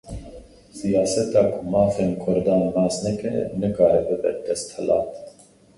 Siyaseta ku mafên Kurdan nas neke, nikare bibe desthilat.